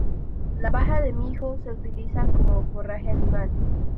La paja de mijo se utiliza como forraje animal.